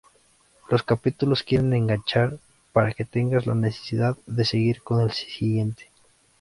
Los capítulos quieren enganchar para que tengas la necesidad de seguir con el siguiente.